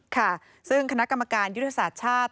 ค่ะซึ่งคณะกรรมการยุทธศาสตร์ชาติ